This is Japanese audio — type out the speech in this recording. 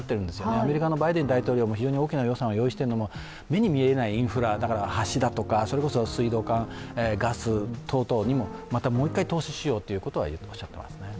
アメリカのバイデン大統領も非常に大きな予算を用意しているのも目に見えないインフラ、橋だとか水道管、ガス等々にももう一回投資しようということはおっしゃっていますね。